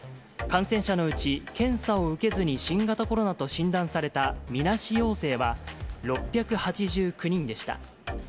感染者のうち、検査を受けずに新型コロナと診断されたみなし陽性は６８９人でした。